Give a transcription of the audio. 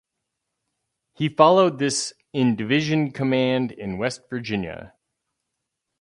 He followed this in division command in West Virginia.